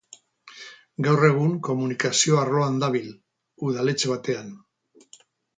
Gaur egun, komunikazio arloan dabil, udaletxe batean.